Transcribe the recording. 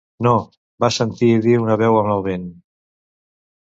"No", va sentir dir una veu en el vent.